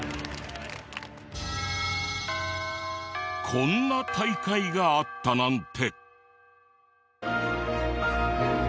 こんな大会があったなんて。